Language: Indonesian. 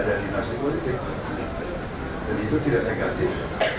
dan itu tidak negatif